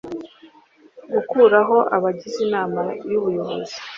gukuraho abagize Inama y Ubuyobozi